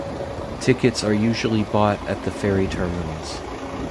Tickets are usually bought at the ferry terminals.